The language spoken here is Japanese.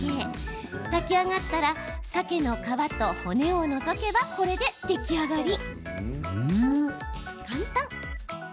炊き上がったらさけの皮と骨をのぞけばこれで出来上がり。